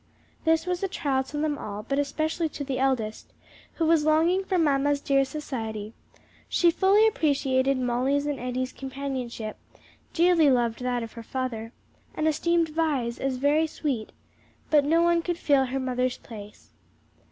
This was a trial to them all; but especially to the eldest, who was longing for "mamma's" dear society; she fully appreciated Molly's and Eddie's companionship, dearly loved that of her father, and esteemed Vi's as very sweet, but no one could fill her mother's place.